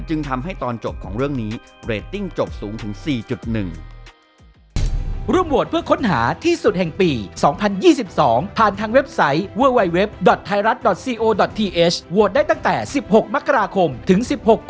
จึงทำให้ตอนจบของเรื่องนี้เรตติ้งจบสูงถึง๔๑